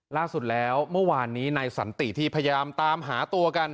ล่าสุดแล้วเมื่อวานนี้นายสันติที่พยายามตามหาตัวกัน